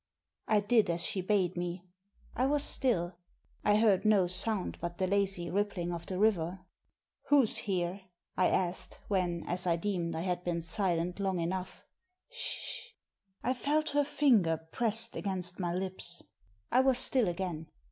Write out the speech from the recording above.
I did as she bade me. I was stilL I heard no sound but the lazy rippling of the river. "Who's here?" I asked, when, as I deemed^ I had been silent long enough. " S sh !" I felt her finger pressed against my lips. I was still again.